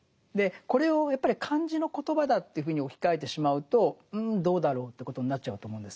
これをやっぱり漢字の言葉だというふうに置き換えてしまうとうんどうだろうということになっちゃうと思うんですね。